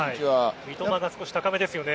三笘が少し高めですよね。